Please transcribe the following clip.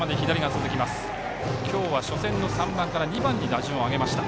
今日は初戦の３番から２番に打順上げました。